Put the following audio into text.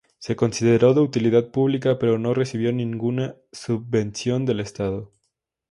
Se consideró de utilidad pública pero no recibió ninguna subvención del Estado.